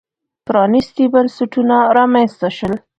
پرانېستي بنسټونه رامنځته شول.